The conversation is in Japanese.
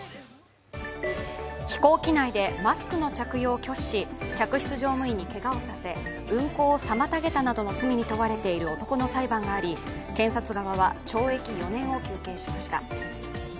飛行機内でマスクの着用を拒否し、客室乗務員にけがをさせ運航を妨げたなどの罪に問われている男の裁判があり、検察側は懲役４年を求刑しました。